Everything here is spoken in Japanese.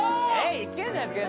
いけんじゃないですか？